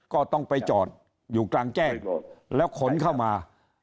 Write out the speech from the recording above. ก็ต้องไปจอดอยู่กลางแจ้งแล้วขนเข้ามา